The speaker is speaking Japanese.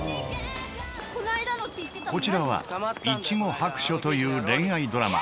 こちらは『いちご白書』という恋愛ドラマ。